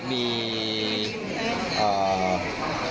วันนี้มี